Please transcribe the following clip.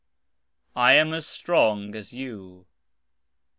I am as strong as you.